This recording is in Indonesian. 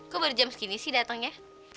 kok baru jam segini sih datangnya